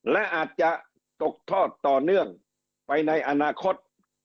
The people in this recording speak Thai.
และอาจจะตกทอดต่อเนื่องไปในอนาคต